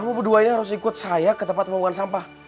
kamu berduanya harus ikut saya ke tempat mau makan sampah